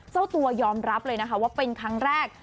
เจ้าตัวยอมรับเลยนะคะว่าเป็นครั้งแรก